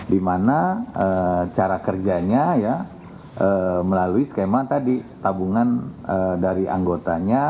dimana cara kerjanya ya melalui skema tadi tabungan dari anggotanya